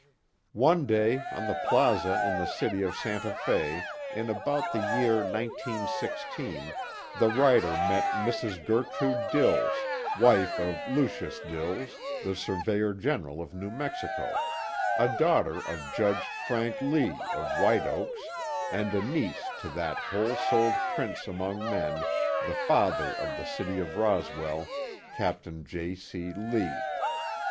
One day, on the Plaza in the city of Santa Fe, in about the year 1916, the writer met Mrs. Gertrude Dills, wife of Lucius Dills, the Surveyor General of New Mexico, a daughter of Judge Frank Lea of White Oaks, and a niece to that whole souled prince among men, the father of the city of Roswell, Captain J. C. Lea.